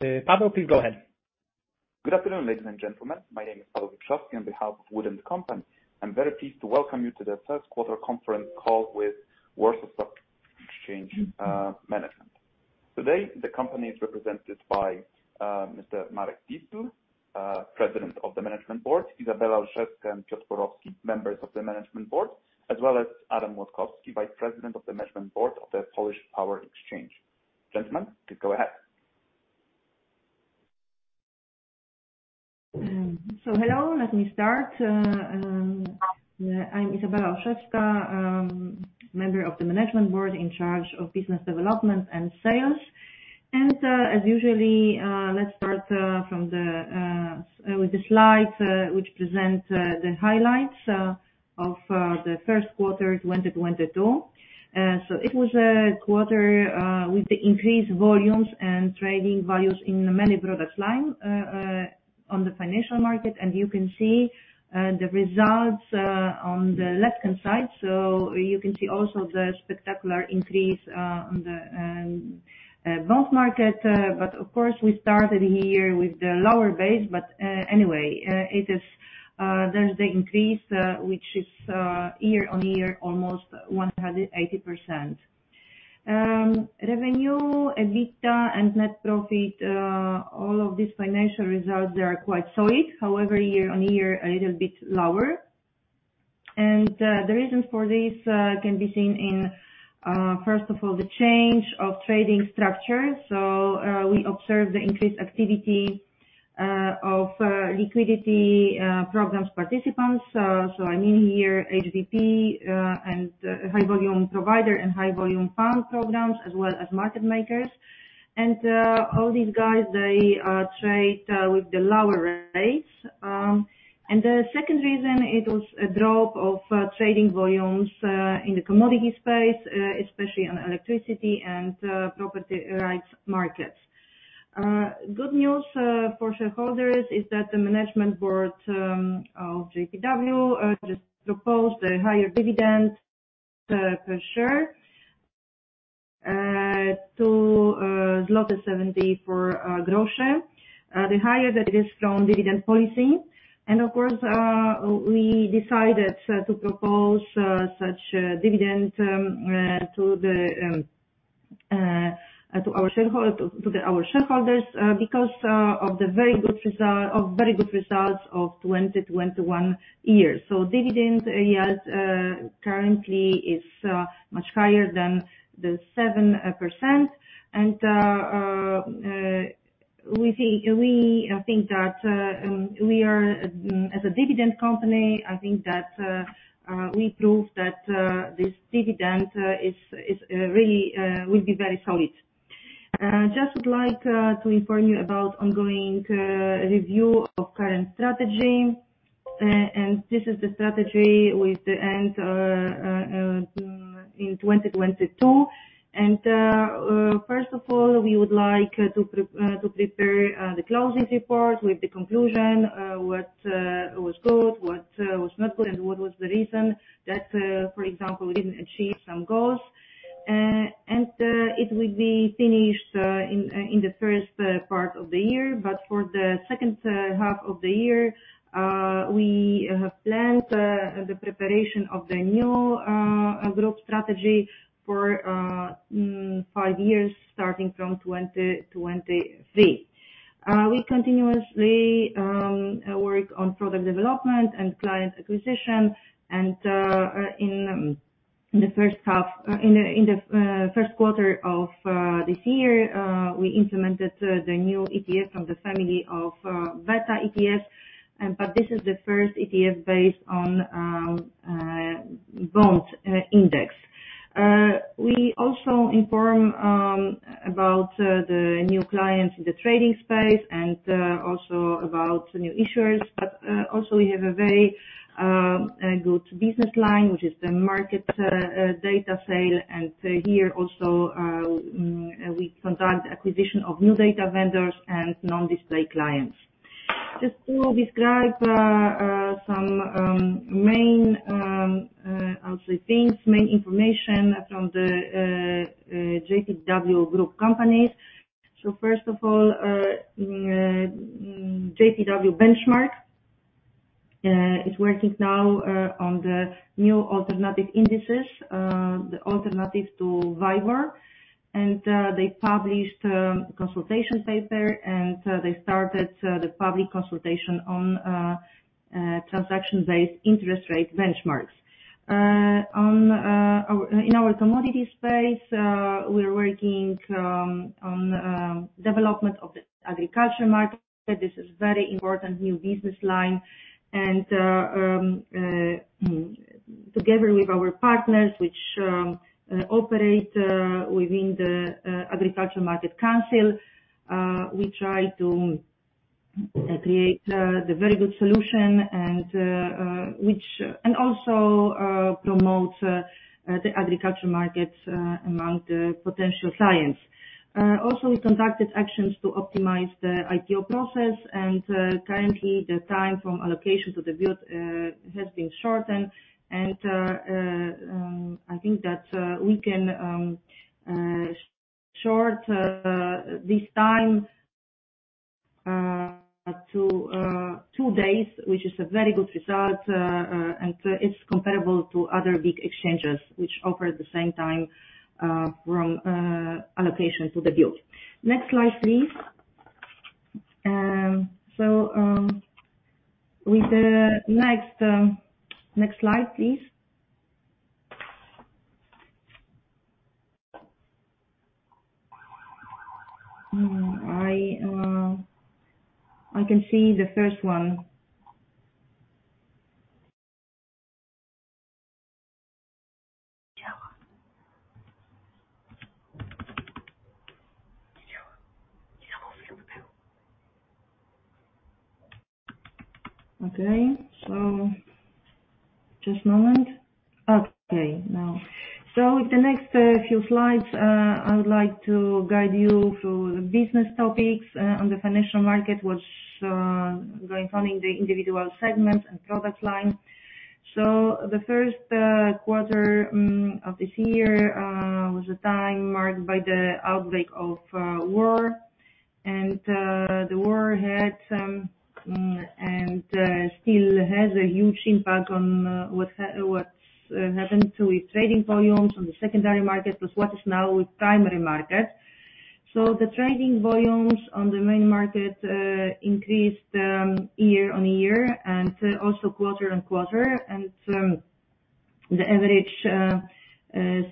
Good afternoon, ladies and gentlemen. My name is Paweł Wieprzowski on behalf of WOOD & Company. I'm very pleased to welcome you to the first quarter conference call with Warsaw Stock Exchange Management. Today, the company is represented by Mr. Marek Dietl, President of the Management Board, Izabela Olszewska and Piotr Borowski, members of the Management Board, as well as Adam Młodkowski, Vice President of the Management Board of the Polish Power Exchange. Gentlemen, please go ahead. Hello. Let me start. I'm Izabela Olszewska, member of the Management Board in charge of business development and sales. As usual, let's start with the slide which presents the highlights of the first quarter 2022. It was a quarter with the increased volumes and trading values in many product lines on the financial market. You can see the results on the left-hand side. You can see also the spectacular increase on the bond market. Of course, we started the year with the lower base. Anyway, it is, there's the increase which is year-on-year almost 180%. Revenue, EBITDA, and net profit, all of these financial results, they are quite solid, however, year-on-year, a little bit lower. The reasons for this can be seen in, first of all, the change of trading structure. We observed the increased activity of liquidity programs participants. I mean here HVP and high volume provider and high volume fund programs as well as market makers. All these guys, they trade with the lower rates. The second reason, it was a drop of trading volumes in the commodity space, especially on electricity and property rights markets. Good news for shareholders is that the management board of GPW just proposed a higher dividend per share to 0.74, the higher that is from dividend policy. Of course, we decided to propose such dividend to our shareholders because of very good results of 2021. Dividend yield currently is much higher than 7%. We think that we are as a dividend company, I think that we proved that this dividend is really will be very solid. Just would like to inform you about ongoing review of current strategy. This is the strategy with the end in 2022. First of all, we would like to prepare the closing report with the conclusion what was good, what was not good, and what was the reason that, for example, we didn't achieve some goals. It will be finished in the first part of the year. For the second half of the year, we have planned the preparation of the new group strategy for five years starting from 2023. We continuously work on product development and client acquisition. In the first quarter of this year, we implemented the new ETF from the family of Beta ETF. This is the first ETF based on bond index. We also inform about the new clients in the trading space and also about the new issuers. Also we have a very good business line, which is the market data sale. Here also we conduct acquisition of new data vendors and non-display clients. Just to describe some main actually things, main information from the GPW group companies. First of all, GPW Benchmark is working now on the new automatic indices, the alternative to WIBOR. They published consultation paper, and they started the public consultation on transaction-based interest rate benchmarks. In our commodity space, we're working on development of the agriculture market. This is very important new business line. Together with our partners which operate within the Agriculture Market Council, we try to create the very good solution and promote the agriculture markets among the potential clients. We conducted actions to optimize the IPO process. Currently the time from allocation to the bill has been shortened. I think that we can shorten this time to two days, which is a very good result. It's comparable to other big exchanges which offer the same time from allocation to the build. Next slide, please. Next slide, please. I can see the first one. Okay. Just a moment. Okay, now. With the next few slides, I would like to guide you through the business topics on the financial market, which going from the individual segments and product line. The first quarter of this year was a time marked by the outbreak of war. The war still has a huge impact on what's happened to its trading volumes on the secondary market with what is now primary market. The trading volumes on the main market increased year-over-year and also quarter-over-quarter. The average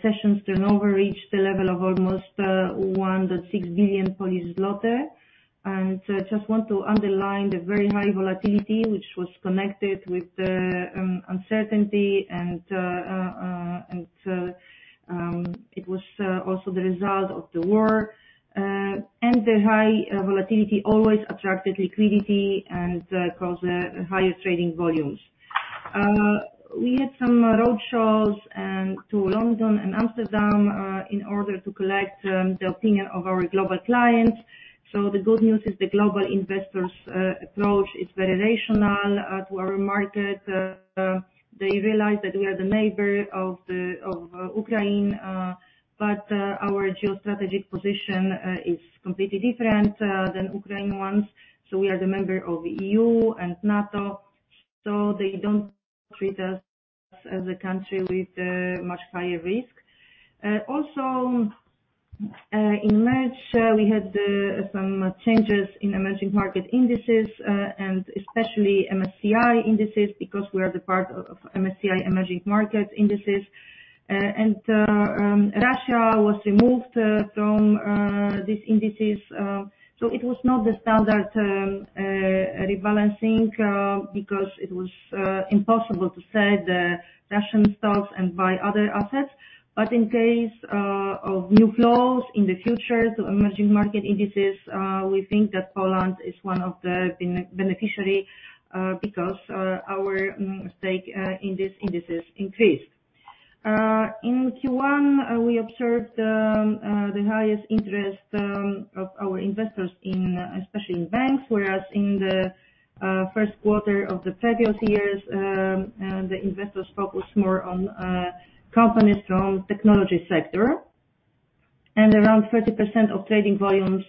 sessions turnover reached the level of almost 1.6 billion Polish zloty. Just want to underline the very high volatility which was connected with the uncertainty and it was also the result of the war. The high volatility always attracted liquidity and caused higher trading volumes. We had some roadshows to London and Amsterdam in order to collect the opinion of our global clients. The good news is the global investors approach is very rational to our market. They realize that we are the neighbor of Ukraine. Our geostrategic position is completely different than Ukraine's. We are the member of EU and NATO, so they don't treat us as a country with much higher risk. Also, in March, we had some changes in emerging market indices and especially MSCI indices because we are the part of MSCI Emerging Markets indices. Russia was removed from these indices. It was not the standard rebalancing because it was impossible to sell the Russian stocks and buy other assets. In case of new flows in the future to emerging market indices, we think that Poland is one of the beneficiary, because our stake in these indices increased. In Q1, we observed the highest interest of our investors in, especially in banks, whereas in the first quarter of the previous years, the investors focused more on companies from technology sector. Around 30% of trading volumes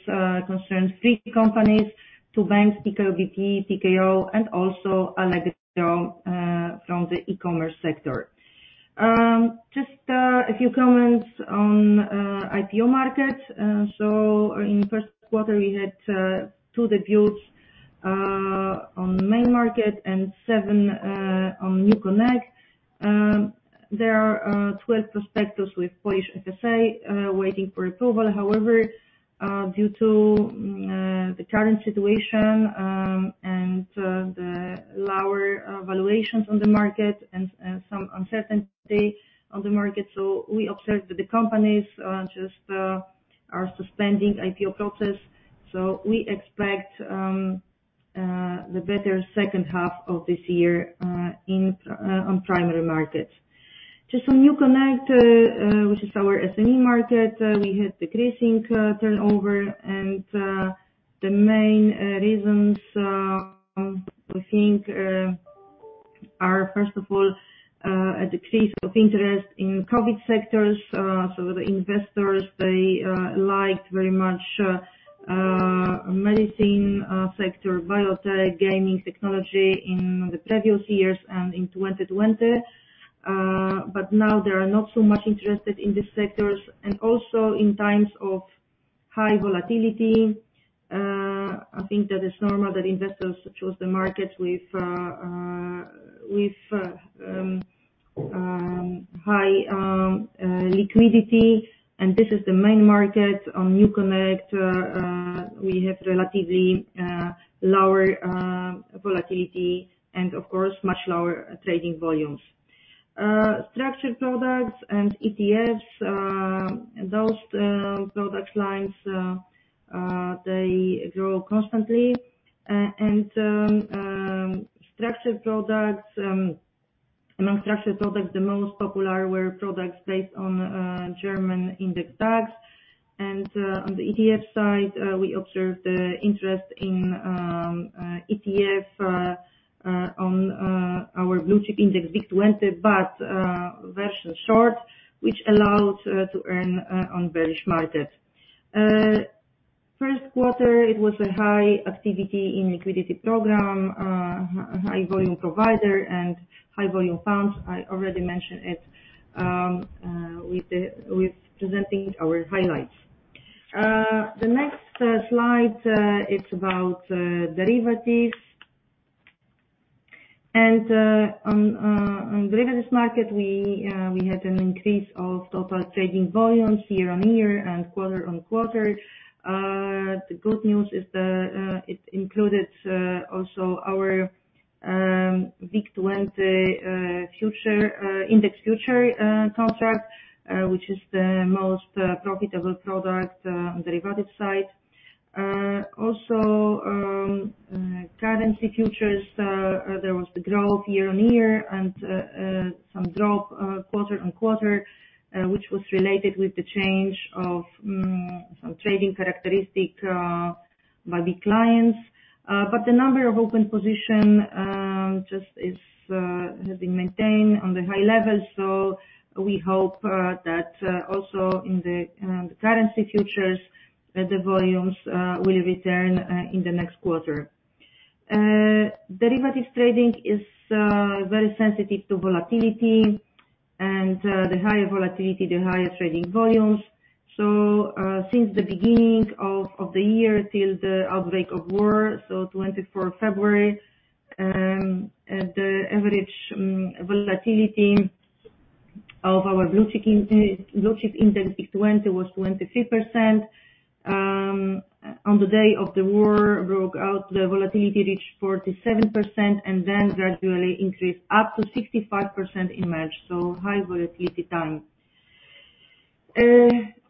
concerns three companies, two banks, PKO BP, PKO, and also Allegro, from the e-commerce sector. Just a few comments on IPO markets. In first quarter, we had 2 debuts on the main market and 7 on NewConnect. There are 12 prospectus with Polish FSA waiting for approval. However, due to the current situation and the lower valuations on the market and some uncertainty on the market, so we observed that the companies just are suspending IPO process. We expect the better second half of this year in on primary markets. Just on NewConnect, which is our SME market, we had decreasing turnover. The main reasons we think are first of all a decrease of interest in COVID sectors. The investors they liked very much medicine sector, biotech, gaming, technology in the previous years and in 2020. Now they are not so much interested in these sectors. Also in times of high volatility, I think that it's normal that investors choose the markets with high liquidity. This is the main market on NewConnect. We have relatively lower volatility and of course, much lower trading volumes. Structured products and ETFs, those product lines, they grow constantly. Structured products, among structured products, the most popular were products based on German index DAX. On the ETF side, we observed the interest in ETF on our blue chip index WIG20 but version short, which allows to earn on bearish market. First quarter, it was a high activity in liquidity program, high volume provider and high volume funds. I already mentioned it, with presenting our highlights. The next slide is about derivatives. On derivatives market, we had an increase of total trading volumes year-over-year and quarter-over-quarter. The good news is it included also our WIG20 future index future contract, which is the most profitable product on derivative side. Also, currency futures, there was the growth year-over-year and some drop quarter-over-quarter, which was related with the change of some trading characteristics by the clients. But the number of open position has been maintained on the high level. We hope that also in the currency futures, the volumes will return in the next quarter. Derivatives trading is very sensitive to volatility and the higher volatility, the higher trading volumes. Since the beginning of the year till the outbreak of war, February 24, the average volatility of our blue chip index WIG20 was 23%. On the day the war broke out, the volatility reached 47% and then gradually increased up to 65% in March, high volatility time.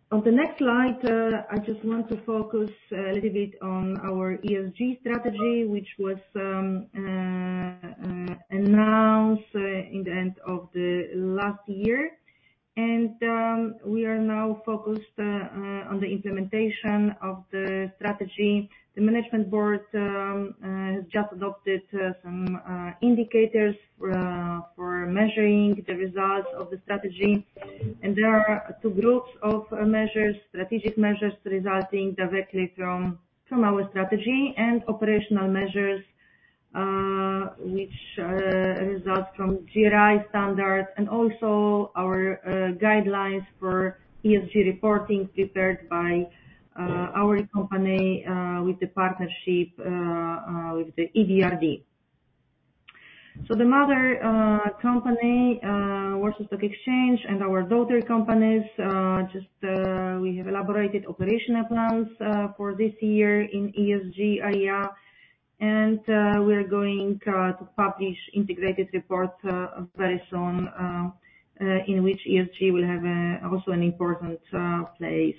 On the next slide, I just want to focus a little bit on our ESG strategy, which was announced in the end of the last year. We are now focused on the implementation of the strategy. The management board has just adopted some indicators for measuring the results of the strategy. There are two groups of measures, strategic measures resulting directly from our strategy and operational measures which result from GRI standards and also our guidelines for ESG reporting prepared by our company with the partnership with the EBRD. The mother company, Warsaw Stock Exchange, and our daughter companies just we have elaborated operational plans for this year in ESG area. We are going to publish integrated reports very soon in which ESG will have also an important place.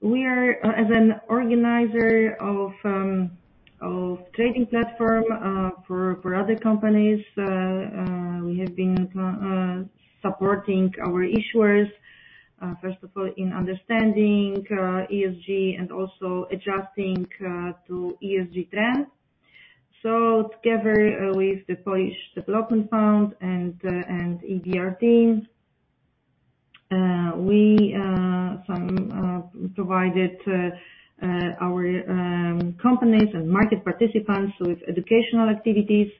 We are as an organizer of trading platform for other companies, we have been supporting our issuers, first of all, in understanding ESG and also adjusting to ESG trends. Together with the Polish Development Fund and EBRD, we provided our companies and market participants with educational activities.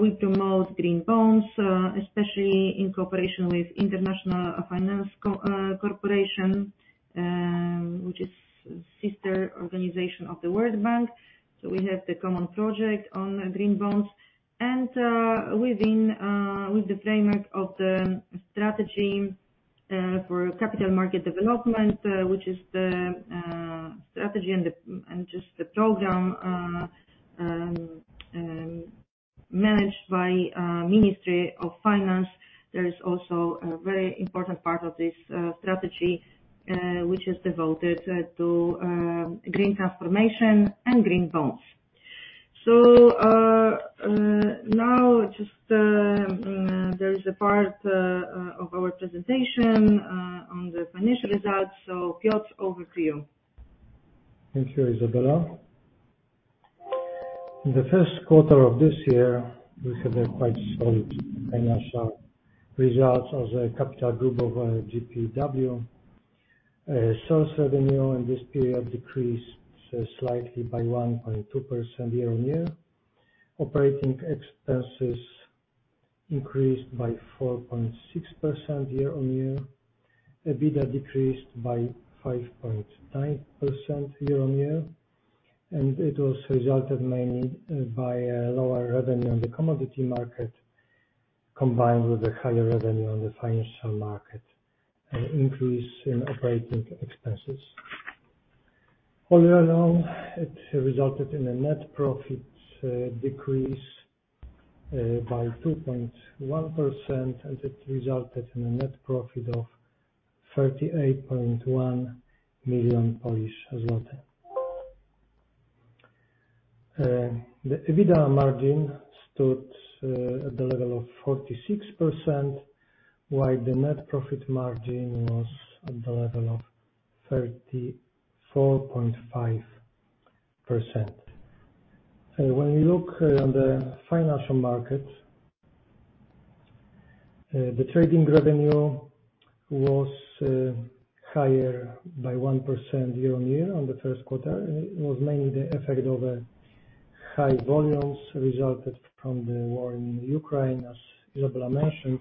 We promote green bonds, especially in cooperation with International Finance Corporation, which is sister organization of the World Bank. We have the common project on green bonds. Within the framework of the strategy for capital market development, which is the strategy and just the program managed by Ministry of Finance. There is also a very important part of this strategy, which is devoted to green transformation and green bonds. Now, there is a part of our presentation on the financial results. Piotr, over to you. Thank you, Izabela. In the first quarter of this year, we have quite solid financial results as a capital group of GPW. Sales revenue in this period decreased slightly by 1.2% year-over-year. Operating expenses increased by 4.6% year-over-year. EBITDA decreased by 5.9% year-over-year. It was resulted mainly by a lower revenue on the commodity market, combined with a higher revenue on the financial market and increase in operating expenses. All in all, it resulted in a net profit decrease by 2.1%, and it resulted in a net profit of 38.1 million Polish zloty. The EBITDA margin stood at the level of 46%, while the net profit margin was at the level of 34.5%. When we look on the financial market, the trading revenue was higher by 1% year-on-year on the first quarter. It was mainly the effect of high volumes resulted from the war in Ukraine, as Izabela mentioned.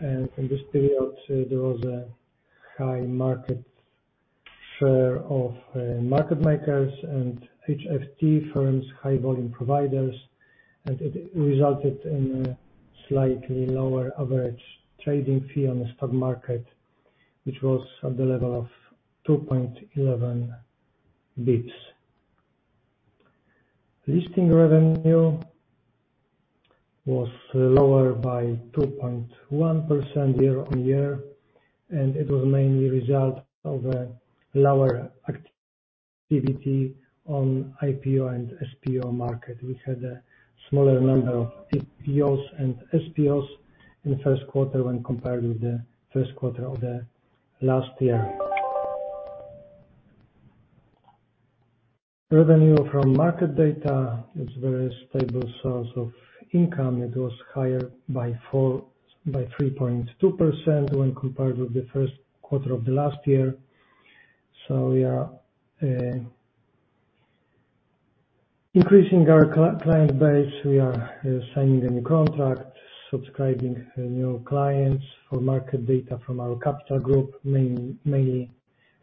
In this period, there was a high market share of market makers and HFT firms, high volume providers, and it resulted in a slightly lower average trading fee on the stock market, which was at the level of 2.11 basis points. Listing revenue was lower by 2.1% year-on-year, and it was mainly a result of a lower activity on IPO and SPO market. We had a smaller number of IPOs and SPOs in the first quarter when compared with the first quarter of the last year. Revenue from market data is a very stable source of income. It was higher by 4... by 3.2% when compared with the first quarter of the last year. We are increasing our client base. We are signing a new contract, subscribing new clients for market data from our Capital Group, mainly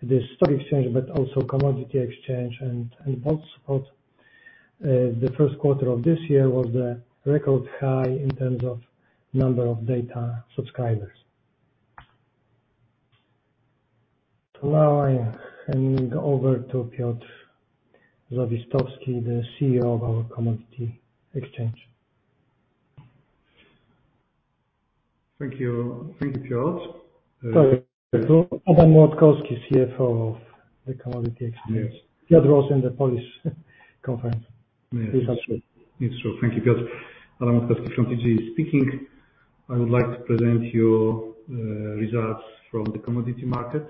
the stock exchange, but also commodity exchange and both support. The first quarter of this year was a record high in terms of number of data subscribers. Now I hand over to Piotr Zawistowski, the CEO of our commodity exchange. Thank you. Thank you, Piotr. Sorry. Adam Młodkowski, CFO of the commodity exchange. Yes. Piotr was in the Polish conference. Yes. He's absent. It's true. Thank you, Piotr. Adam Młodkowski from TGE speaking. I would like to present you results from the commodity market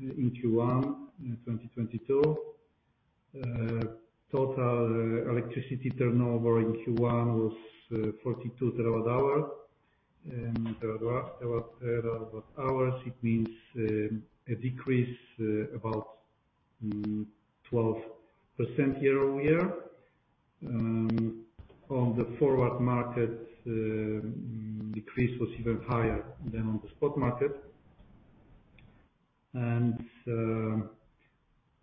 in Q1 in 2022. Total electricity turnover in Q1 was 42 terawatt hours. It means a decrease about 12% year-over-year. On the forward market, decrease was even higher than on the spot market.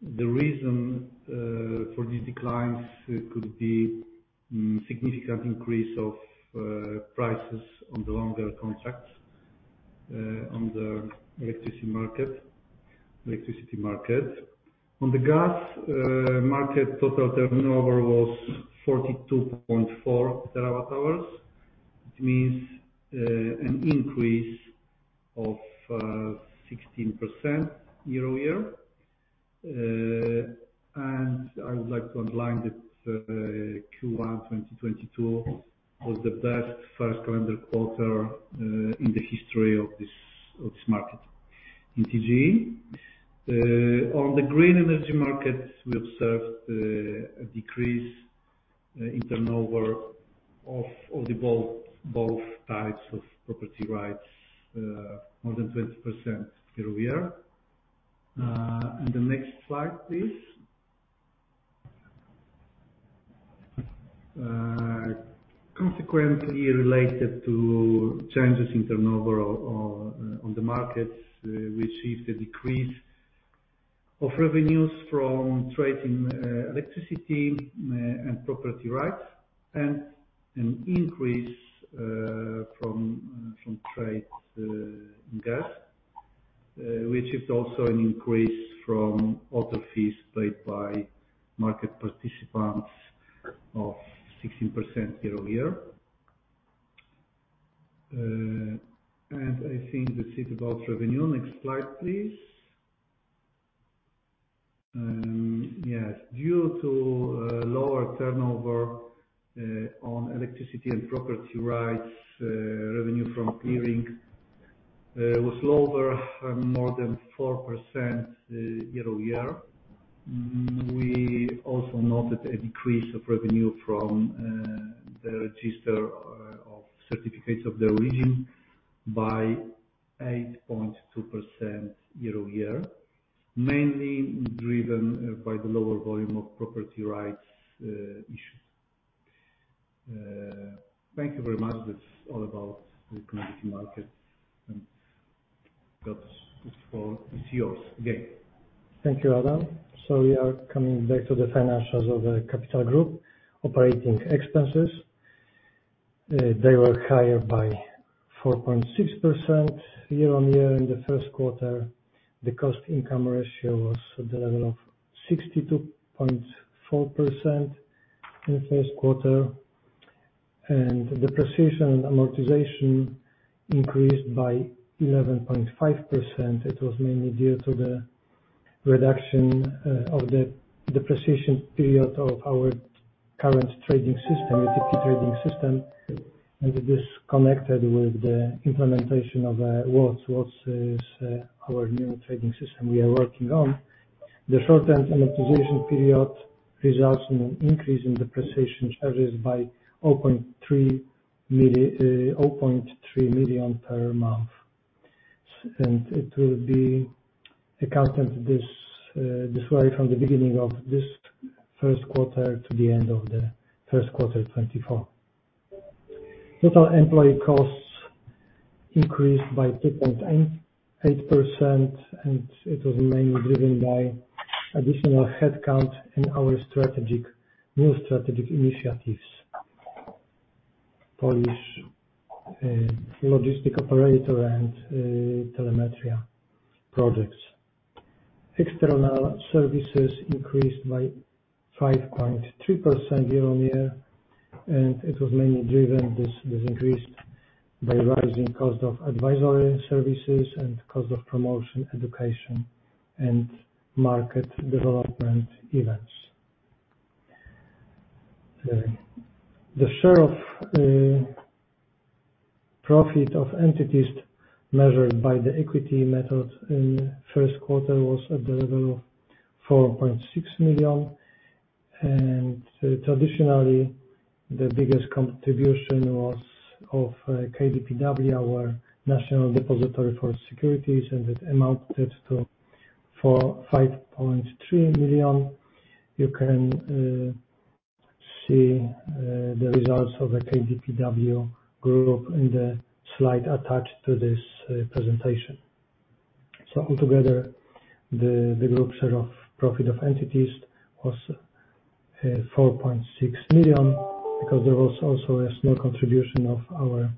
The reason for the declines could be significant increase of prices on the longer contracts on the electricity market. On the gas market, total turnover was 42.4 terawatt hours. It means an increase of 16% year-over-year. I would like to underline that Q1 2022 was the best first calendar quarter in the history of this market. In TGE, on the green energy market, we observed a decrease in turnover of both types of property rights, more than 20% year-over-year. Next slide, please. Consequently related to changes in turnover on the markets. We achieved a decrease of revenues from trading electricity and property rights, and an increase from trade in gas, which is also an increase from other fees paid by market participants of 16% year-over-year. I think this is about revenue. Next slide, please. Yes. Due to lower turnover on electricity and property rights, revenue from clearing was lower and more than 4% year-over-year. We also noted a decrease of revenue from the register of certificates of origin by 8.2% year-over-year, mainly driven by the lower volume of property rights issued. Thank you very much. That's all about the commodity market. Piotr, it's yours again. Thank you, Adam. We are coming back to the financials of the Capital Group. Operating expenses they were higher by 4.6% year-on-year. In the first quarter, the cost-income ratio was at the level of 62.4% in the first quarter. Depreciation amortization increased by 11.5%. It was mainly due to the reduction of the depreciation period of our current trading system, equity trading system, and it is connected with the implementation of WATS. WATS is our new trading system we are working on. The short-term amortization period results in an increase in depreciation charges by 0.3 million per month. It will be accounted this way from the beginning of this first quarter to the end of the first quarter 2024. Total employee costs increased by 2.88%, and it was mainly driven by additional headcount in our strategic new strategic initiatives. Polish logistic operator and Telemetry projects. External services increased by 5.3% year-over-year, and it was mainly driven. This increase was driven by rising costs of advisory services and costs of promotion, education, and market development events. The share of profit of entities measured by the equity method in first quarter was at the level of 4.6 million. Traditionally, the biggest contribution was of KDPW, our national depository for securities, and it amounted to 5.3 million. You can see the results of the KDPW group in the slide attached to this presentation. Altogether, the group share of profit of entities was 4.6 million because there was also a small contribution of our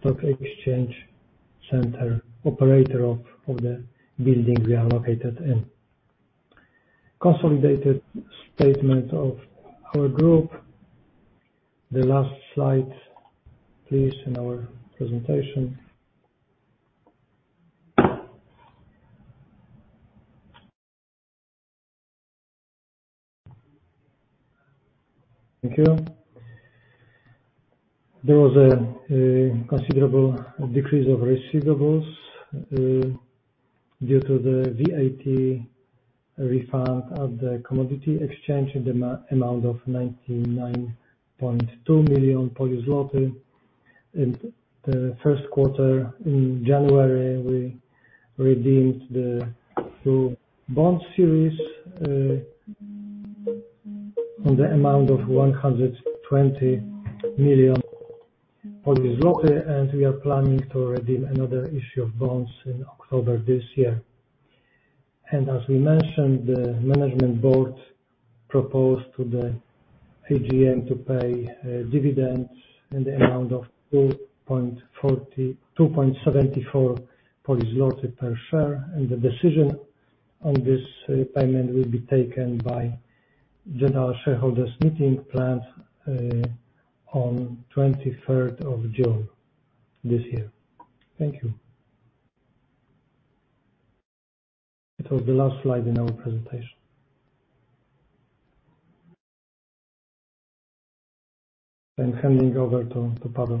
stock exchange center operator of the buildings we are located in. Consolidated statement of our group. The last slide, please, in our presentation. Thank you. There was a considerable decrease of receivables due to the VAT refund of the commodity exchange in the amount of 99.2 million. In the first quarter in January, we redeemed the two bond series in the amount of 120 million, and we are planning to redeem another issue of bonds in October this year. As we mentioned, the management board proposed to the AGM to pay dividends in the amount of 2.74 per share. The decision on this payment will be taken by general shareholders meeting planned on 23rd of June this year. Thank you. It was the last slide in our presentation. I'm handing over to Paweł. Piotr,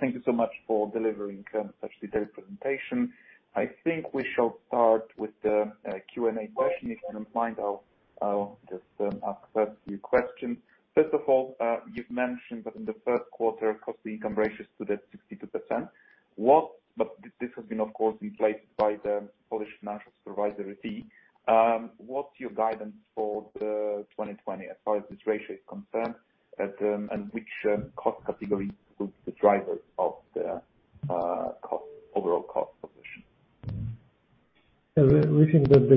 thank you so much for delivering such detailed presentation. I think we shall start with the Q&A question. If you don't mind, I'll just ask a few questions. First of all, you've mentioned that in the first quarter, cost-to-income ratio is 62%. This has been, of course, in place by the Polish Financial Supervision Authority. What's your guidance for 2020, as far as this ratio is concerned and which cost category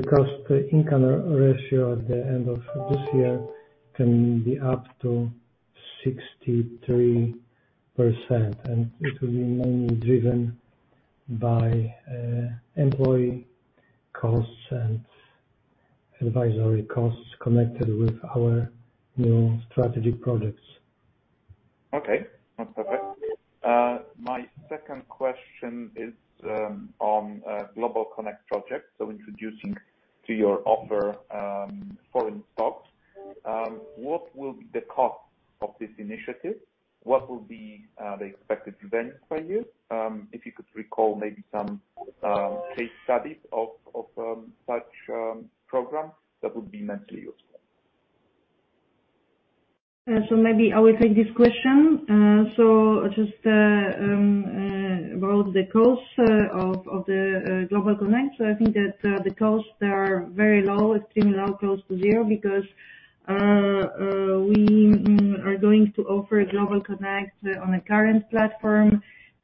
would the drivers of the overall cost position? We think that the cost-to-income ratio at the end of this year can be up to 63%. It will be mainly driven by employee costs and advisory costs connected with our new strategic products. Okay, that's perfect. My second question is on GlobalConnect project. Introducing to your offer foreign stocks. What will be the cost of this initiative? What will be the expected benefit for you? If you could recall maybe some case studies of such programs, that would be immensely useful. Maybe I will take this question. Just about the cost of GlobalConnect. I think that the costs are very low. It's now close to zero because we are going to offer GlobalConnect on a current platform.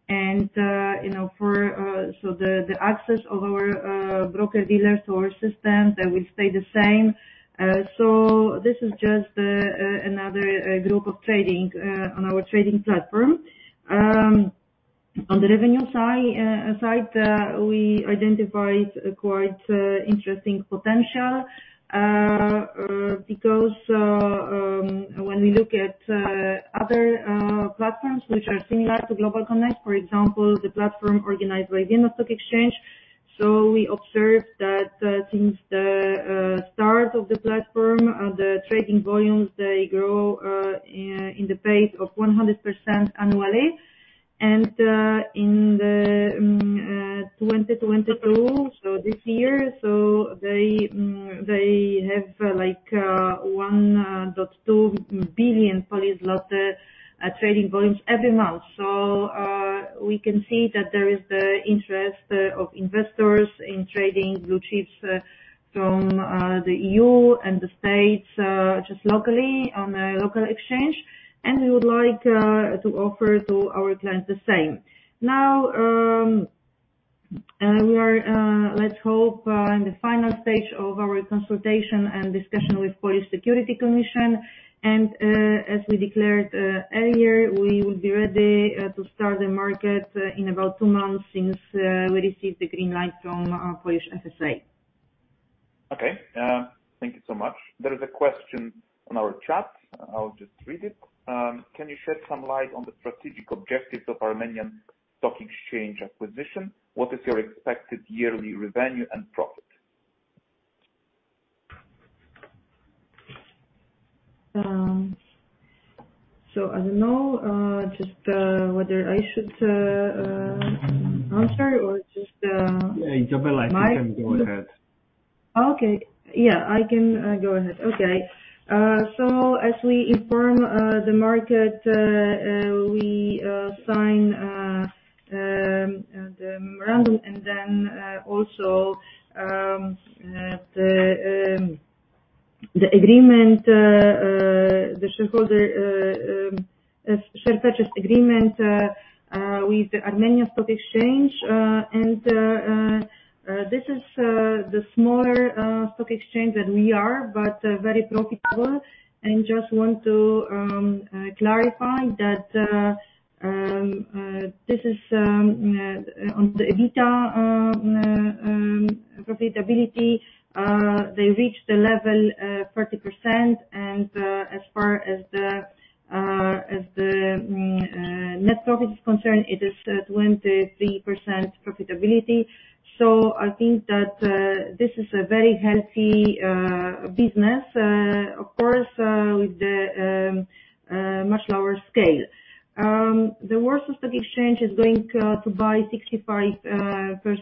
You know, the access of our broker-dealer to our system, they will stay the same. This is just another group of trading on our trading platform. On the revenue side, we identified quite interesting potential because when we look at other platforms which are similar to GlobalConnect, for example, the platform organized by the Vienna Stock Exchange. We observed that since the start of the platform the trading volumes they grow in the pace of 100% annually. In the 2022, this year, they have like 1.2 billion Polish zloty trading volumes every month. We can see that there is the interest of investors in trading blue chips from the EU and the States just locally on a local exchange. We would like to offer to our clients the same. Now, we are, let's hope, in the final stage of our consultation and discussion with Polish FSA, and, as we declared, earlier, we will be ready, to start the market, in about two months since, we received the green light from, Polish FSA. Okay. Thank you so much. There is a question on our chat. I'll just read it. Can you shed some light on the strategic objectives of Armenia Securities Exchange acquisition? What is your expected yearly revenue and profit? I don't know just whether I should answer or just. Yeah, Izabela- Mike? You can go ahead. Okay. Yeah, I can go ahead. Okay. As we inform the market, we sign the memorandum and then also the agreement, the shareholder share purchase agreement with the Armenia Securities Exchange. This is the smaller stock exchange than we are, but very profitable. Just want to clarify that this is on the EBITDA profitability they reached a level of 40%. As far as the net profit is concerned, it is at 23% profitability. I think that this is a very healthy business. Of course with the much lower scale. The Warsaw Stock Exchange is going to buy 65%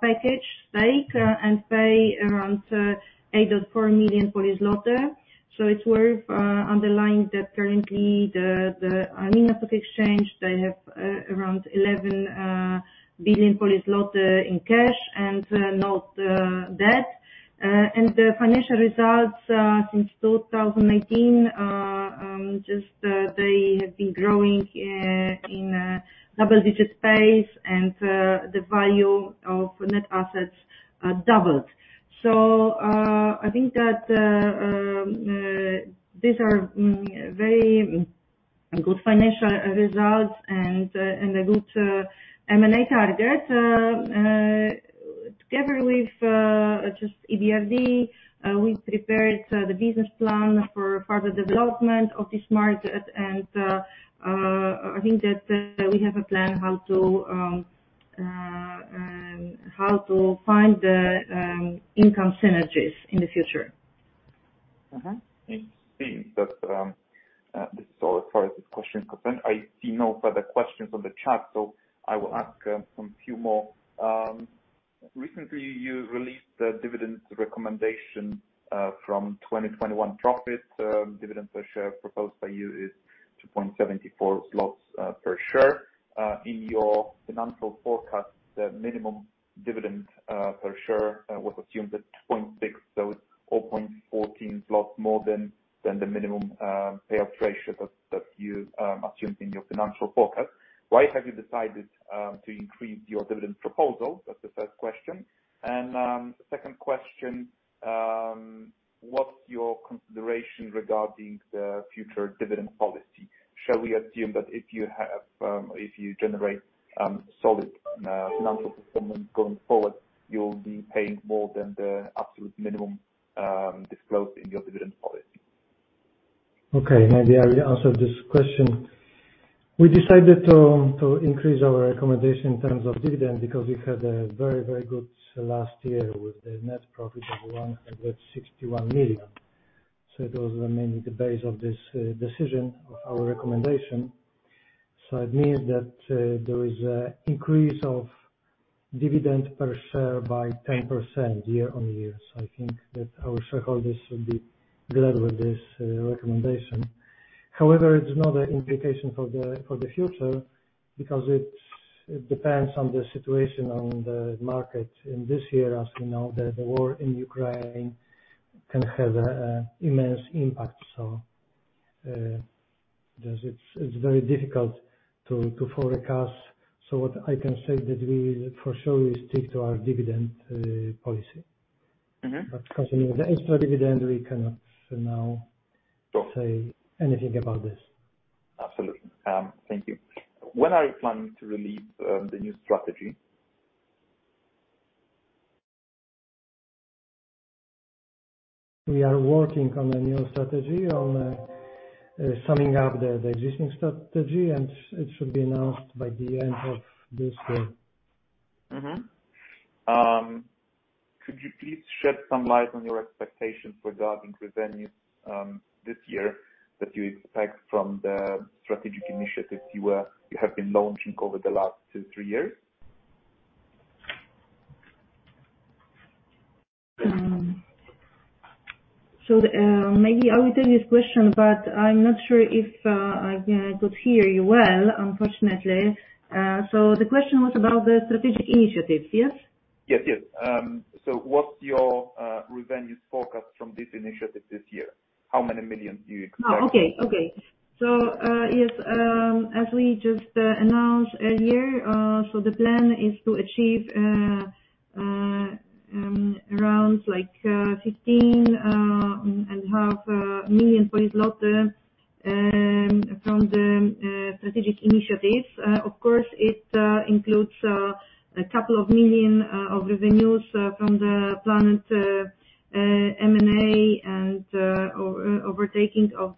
package stake and pay around 8.4 million. It's worth underlying that currently the Armenia Securities Exchange they have around 11 billion in cash and not debt. The financial results since 2019 are just they have been growing in double digits pace and the value of net assets doubled. I think that these are very good financial results and a good M&A target. Together with just EBRD we prepared the business plan for further development of this market. I think that we have a plan how to find the income synergies in the future. Mm-hmm. It seems that this is all as far as this question concerned. I see no further questions on the chat, so I will ask some few more. Recently, you released the dividend recommendation from 2021 profits. Dividend per share proposed by you is 2.74 zlotys per share. In your financial forecast, the minimum dividend per share was assumed at 2.6. So it's 4.14 more than the minimum payout ratio that you assumed in your financial forecast. Why have you decided to increase your dividend proposal? That's the first question. Second question, what's your consideration regarding the future dividend policy? Shall we assume that if you have, if you generate, solid financial performance going forward, you'll be paying more than the absolute minimum disclosed in your dividend policy? Okay, maybe I will answer this question. We decided to increase our recommendation in terms of dividend because we had a very, very good last year with the net profit of 161 million. Those were mainly the basis of this decision of our recommendation. It means that there is an increase of dividend per share by 10% year-on-year. I think that our shareholders should be glad with this recommendation. However, it's not an indication for the future because it depends on the situation on the market. This year, as you know, the war in Ukraine can have an immense impact. That it's very difficult to forecast. What I can say that we will for sure stick to our dividend policy. Concerning the extra dividend, we cannot for now say anything about this. Absolutely. Thank you. When are you planning to release the new strategy? We are working on a new strategy summing up the existing strategy, and it should be announced by the end of this year. Could you please shed some light on your expectations regarding revenues this year that you expect from the strategic initiatives you have been launching over the last two, three years? Maybe I will take this question, but I'm not sure if I, you know, could hear you well, unfortunately. The question was about the strategic initiatives, yes? Yes, yes. What's your revenues forecast from this initiative this year? How many millions do you expect? Yes, as we just announced earlier, the plan is to achieve around like 15.5 million from the strategic initiatives. Of course, it includes a couple of million of revenues from the planned M&A and takeover of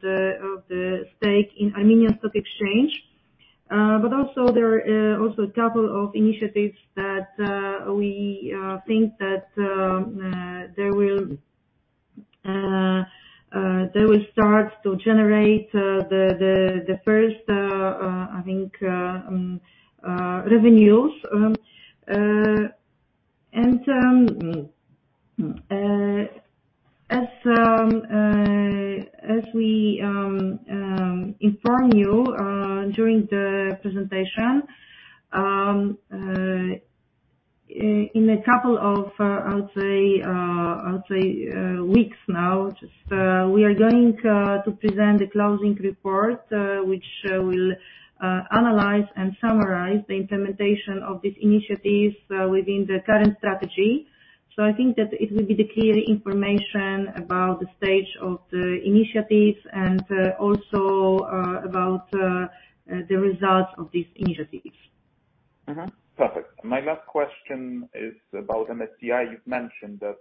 the stake in Armenia Securities Exchange. Also there are a couple of initiatives that we think that they will start to generate the first, I think, revenues. As we inform you during the presentation, in a couple of weeks, I would say, now just we are going to present the closing report, which will analyze and summarize the implementation of these initiatives within the current strategy. I think that it will be the clear information about the stage of the initiatives and also about the results of these initiatives. Perfect. My last question is about MSCI. You've mentioned that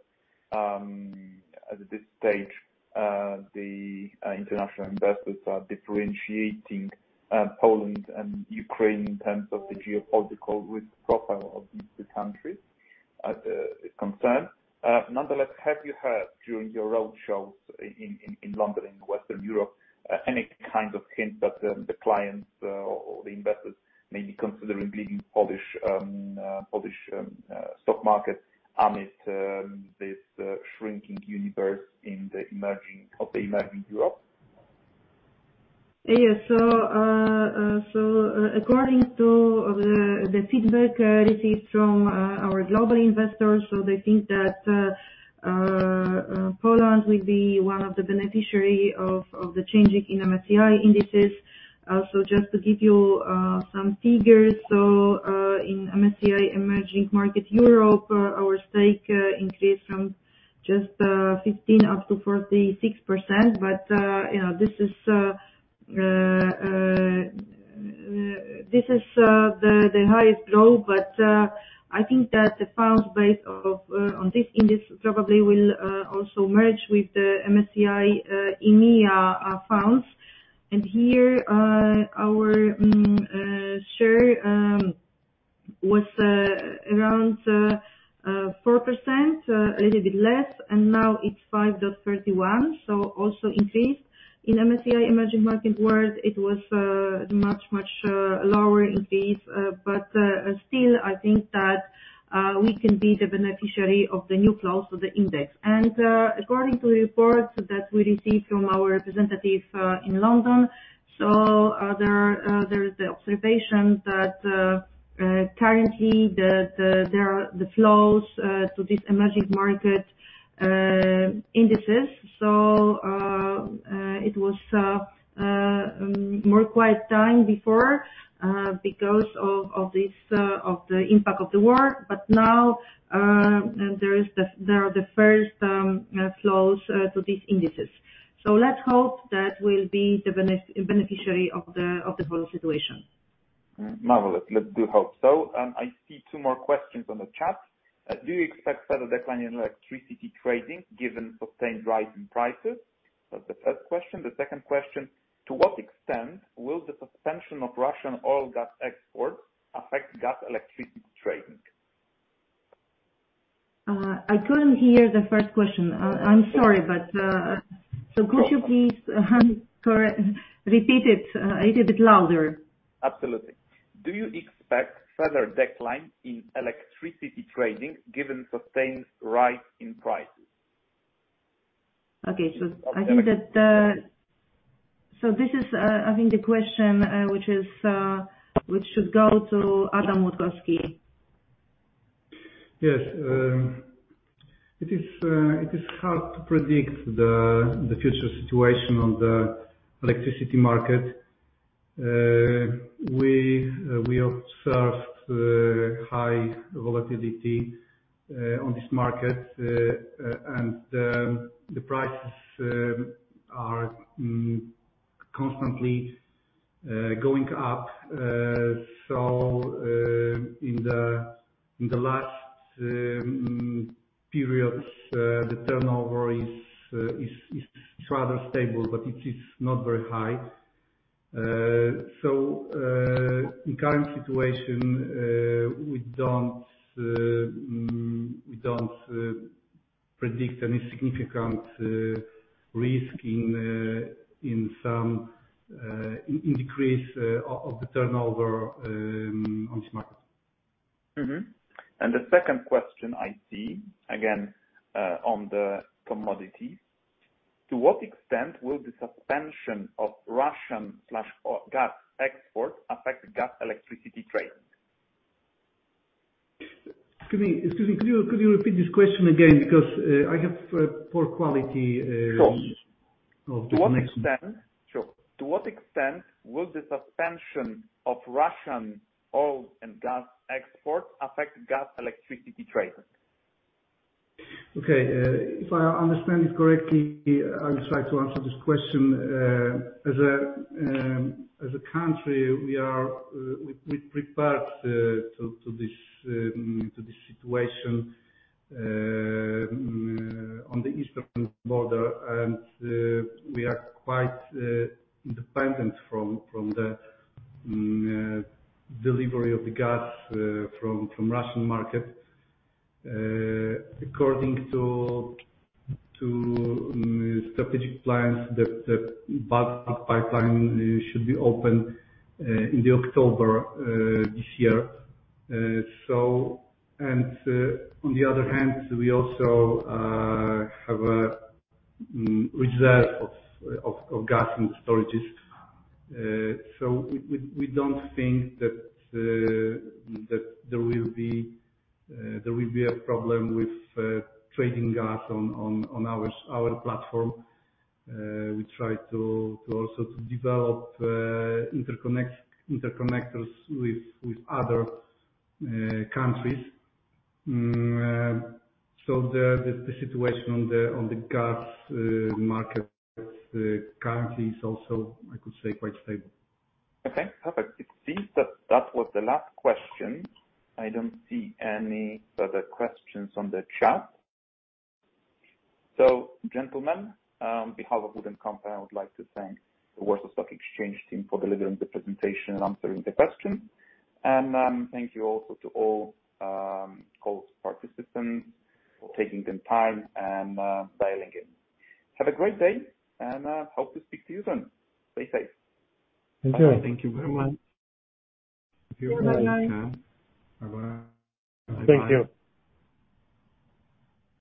at this stage the international investors are differentiating Poland and Ukraine in terms of the geopolitical risk profile of these two countries. Nonetheless, have you heard during your roadshows in London, in Western Europe any kind of hint that the clients or the investors may be considering leaving Polish stock market amid this shrinking universe of the emerging Europe? Yes. According to the feedback received from our global investors, they think that Poland will be one of the beneficiaries of the changes in MSCI indices. Just to give you some figures. In MSCI Emerging Markets Europe, our stake increased from just 15 up to 46%. You know, this is the highest growth. I think that the funds based on this index probably will also merge with the MSCI EMEA funds. Here, our share was around 4%, a little bit less, and now it's 5.31%, so also increased. In MSCI Emerging Markets world, it was much, much lower increase. Still, I think that we can be the beneficiary of the new flows of the index. According to reports that we received from our representative in London, there is the observation that currently there are the flows to this emerging market indices. It was more quiet time before because of the impact of the war. Now there are the first flows to these indices. Let's hope that we'll be the beneficiary of the whole situation. Marvelous. Let's do hope so. I see two more questions on the chat. Do you expect further decline in electricity trading given sustained rise in prices? That's the first question. The second question. To what extent will the suspension of Russian oil and gas export affect gas and electricity trading? I couldn't hear the first question. I'm sorry, but so could you please, sorry, repeat it a little bit louder? Absolutely. Do you expect further decline in electricity trading given sustained rise in prices? I think this is the question which should go to Adam Młodkowski. Yes. It is hard to predict the future situation on the electricity market. We observed high volatility on this market. The prices are constantly going up. In the last periods, the turnover is rather stable, but it is not very high. In current situation, we don't predict any significant risk in some increase of the turnover on this market. Mm-hmm. The second question I see, again, on the commodities. To what extent will the suspension of Russian gas export affect gas and electricity trade? Excuse me. Could you repeat this question again? Because I have poor quality. Sure of the connection. Sure. To what extent will the suspension of Russian oil and gas export affect gas and electricity trade? Okay. If I understand it correctly, I'll try to answer this question. As a country, we are prepared to this situation on the eastern border. We are quite independent from the delivery of the gas from Russian market. According to strategic plans, the Baltic Pipe pipeline should be open in October this year. On the other hand, we also have a reserve of gas in storages. We don't think that there will be a problem with trading gas on our platform. We try to also develop interconnectors with other countries. The situation on the gas market currently is also, I could say, quite stable. Okay, perfect. It seems that was the last question. I don't see any further questions on the chat. Gentlemen, on behalf of WOOD & Company, I would like to thank the Warsaw Stock Exchange team for delivering the presentation and answering the questions. Thank you also to all call participants for taking the time and dialing in. Have a great day, and hope to speak to you soon. Stay safe. Thank you. Thank you very much. Thank you. Good night. Bye-bye. Thank you.